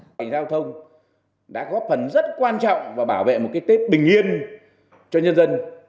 tài nạn giao thông đã có phần rất quan trọng và bảo vệ một cái tết bình yên cho nhân dân